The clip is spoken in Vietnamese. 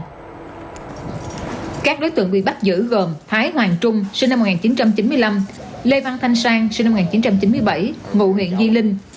các đối tượng bị bắt giữ gồm thái hoàng trung sinh năm một nghìn chín trăm chín mươi năm lê văn thanh sang sinh năm một nghìn chín trăm chín mươi bảy ngụ huyện di linh